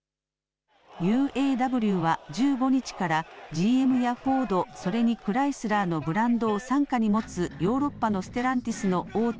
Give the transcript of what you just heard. ＵＡＷは１５日からＧＭやフォード、それにクライスラーのブランドを傘下に持つヨーロッパのステランティスの大手